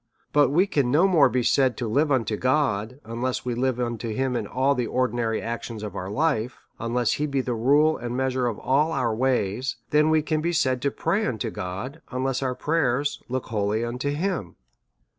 But we can no more be said to live unto God, unless we live unto him in all the ordinary actions of our life, unless he be the rule and measure of all our ways, than we can be said to pray unto God, unless our prayers look wholly unto him.